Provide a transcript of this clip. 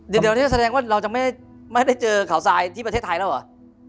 เดี๋ยวนี้แสดงว่าเราจะไม่ได้เจอเขาทรายที่ประเทศไทยแล้วเหรอ